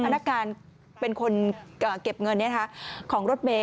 อนาคารเป็นคนเก็บเงินเนี่ยฮะของรถเมล์